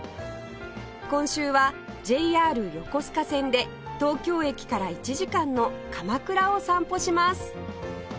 今週は ＪＲ 横須賀線で東京駅から１時間の鎌倉を散歩します